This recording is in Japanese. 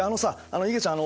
のいげちゃん